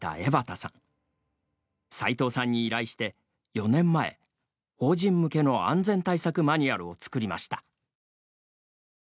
さいとうさんに依頼して４年前、邦人向けの安全対策マニュアルを作りました。